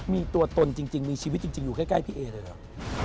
มีตัวตนจริงมีชีวิตจริงอยู่ใกล้พี่เอเลยเหรอ